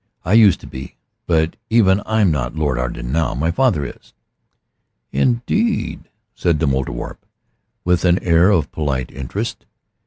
"I used to be. But even I'm not Lord Arden now. My father is." "Indeed?" said the Mouldierwarp with an air of polite interest.